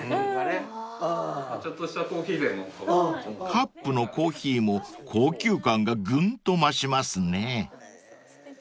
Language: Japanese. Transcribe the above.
［カップのコーヒーも高級感がグンと増しますね］